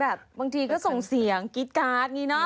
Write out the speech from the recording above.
แบบบางทีก็ส่งเสียงกิ๊ดการ์ดงี้เนาะ